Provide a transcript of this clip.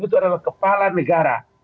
itu adalah kepala negara